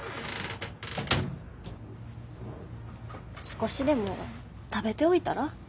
少しでも食べておいたら？